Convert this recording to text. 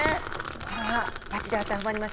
これはばっちり当てはまりました。